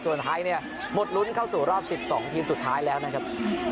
ส่วนไทยเนี่ยหมดลุ้นเข้าสู่รอบ๑๒ทีมสุดท้ายแล้วนะครับ